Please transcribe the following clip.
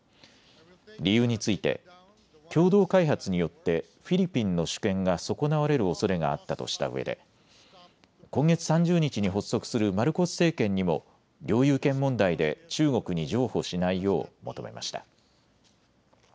理由について共同開発によってフィリピンの主権が損なわれるおそれがあったとしたうえで今月３０日に発足するマルコス政権にも領有権問題で中国に譲歩しないよう求めました。